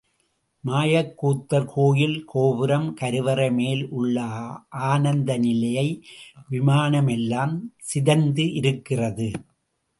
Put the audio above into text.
மாயக்கூத்தர் கோயில் கோபுரம், கருவறை மேல் உள்ள ஆனந்த நிலைய விமானம் எல்லாம் சிதைந்து இருக்கிறது.